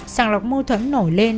sàng lọc mô thuẫn nổi lên